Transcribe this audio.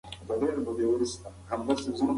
که مینه وي نو ټولګی نه ورانیږي.